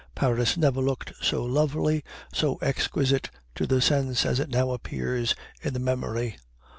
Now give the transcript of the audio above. Paris never looked so lovely, so exquisite to the sense as it now appears in the memory.